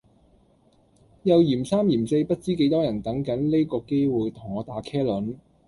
又嫌三嫌四不知幾多人等緊呢個機會同我打茄輪